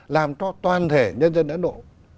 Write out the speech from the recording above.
làm cho toàn thể nhân dân ấn độ